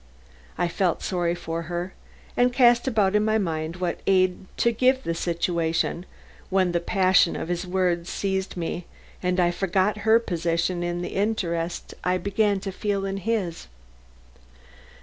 I felt sorry for her, and cast about in my mind what aid to give the situation, when the passion of his words seized me, and I forgot her position in the interest I began to feel in his.